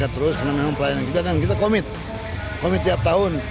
terus kita komit komit tiap tahun